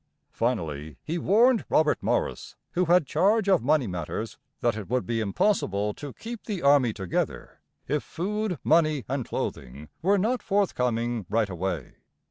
Finally he warned Robert Morris, who had charge of money matters, that it would be impossible to keep the army together if food, money, and clothing were not forthcoming right away.